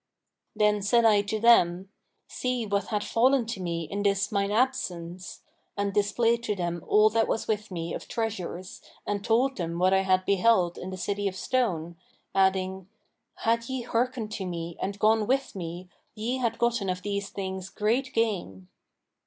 Then said I to them, 'See what hath fallen to me in this mine absence;' and displayed to them all that was with me of treasures and told them what I had beheld in the City of Stone, adding, 'Had ye hearkened to me and gone with me, ye had gotten of these things great gain.'"